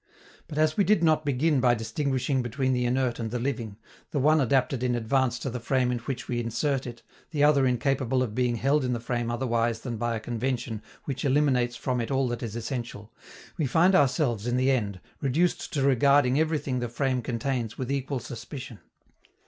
But as we did not begin by distinguishing between the inert and the living, the one adapted in advance to the frame in which we insert it, the other incapable of being held in the frame otherwise than by a convention which eliminates from it all that is essential, we find ourselves, in the end, reduced to regarding everything the frame contains with equal suspicion.